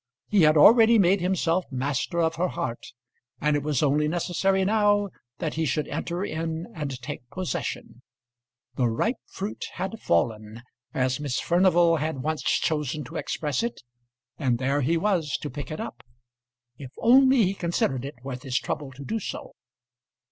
He had already made himself master of her heart, and it was only necessary now that he should enter in and take possession. The ripe fruit had fallen, as Miss Furnival had once chosen to express it, and there he was to pick it up, if only he considered it worth his trouble to do so.